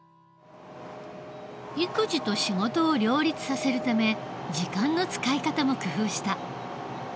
育児と仕事を両立させるため時間の使い方も工夫した。